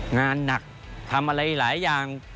งานหนักทำอะไรหลายอย่าง